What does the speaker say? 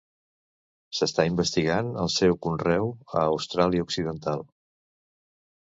S'està investigant el seu conreu a Austràlia occidental.